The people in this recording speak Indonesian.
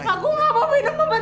aku gak mau minum obat